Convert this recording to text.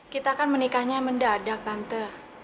kita kan menikahnya mendadak tante